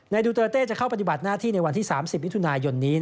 ดูเตอร์เต้จะเข้าปฏิบัติหน้าที่ในวันที่๓๐มิถุนายนนี้